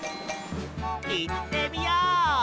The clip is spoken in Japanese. いってみよう！